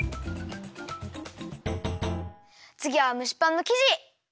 つぎは蒸しパンのきじ！